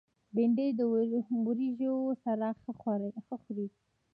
بېنډۍ د وریژو سره ښه خوري